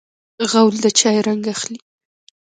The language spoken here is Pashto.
غول د چای رنګ اخلي.